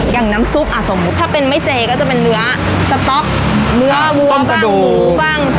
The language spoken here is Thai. อย่างน้ำซุปอ่ะสมมุติถ้าเป็นไม่เจก็จะเป็นเนื้อสต๊อกเนื้อวัวบ้างหมูบ้าง